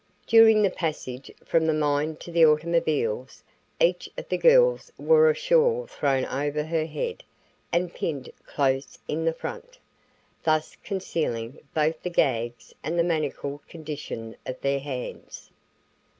During the passage from the mine to the automobiles each of the girls wore a shawl thrown over her head and pinned close in front, thus concealing both the gags and the manacled condition of their hands.